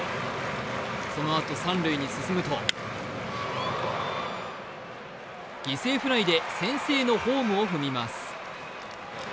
そのあと三塁に進むと、犠牲フライで先制のホームを踏みます。